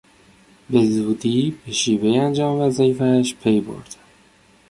به زودی به شیوهی انجام وظایفش پی برد.